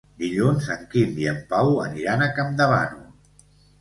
Dilluns en Quim i en Pau aniran a Campdevànol.